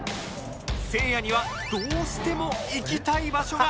せいやにはどうしても行きたい場所が